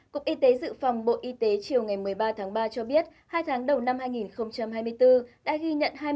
cục y tế dự phòng bộ y tế chiều ngày một mươi ba tháng ba cho biết hai tháng đầu năm hai nghìn hai mươi bốn đã ghi nhận